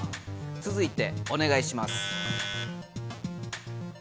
つづいてお願いします。